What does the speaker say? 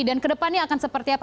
dan kedepannya akan seperti apa